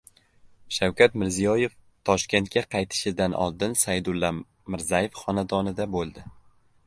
Shavkat Mirziyoyev Toshkentga qaytishidan oldin Saydulla Mirzayev xonadonida bo‘ldi